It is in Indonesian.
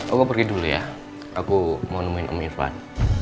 aku pergi dulu ya aku mau nemuin om irfan